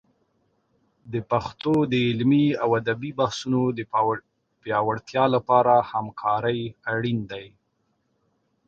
د پښتو د علمي او ادبي بحثونو د پیاوړتیا لپاره همکارۍ اړین دي.